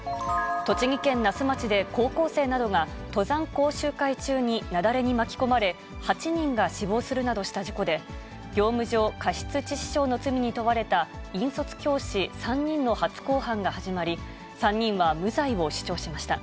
栃木県那須町で、高校生などが登山講習会中に雪崩に巻き込まれ、８人が死亡するなどした事故で、業務上過失致死傷の罪に問われた引率教師３人の初公判が始まり、３人は無罪を主張しました。